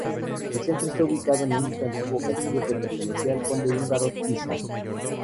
El centro está ubicado en un antiguo castillo que pertenecía al conde húngaro Tisza.